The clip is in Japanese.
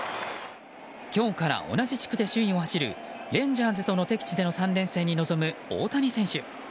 今日から同じ地区で首位を走るレンジャーズとの敵地での３連戦に臨む大谷選手。